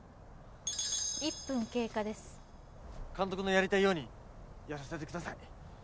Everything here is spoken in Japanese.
１分経過です監督のやりたいようにやらせてください